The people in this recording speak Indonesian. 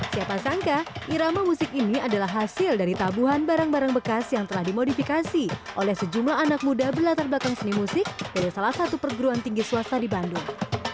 siapa sangka irama musik ini adalah hasil dari tabuhan barang barang bekas yang telah dimodifikasi oleh sejumlah anak muda berlatar belakang seni musik dari salah satu perguruan tinggi swasta di bandung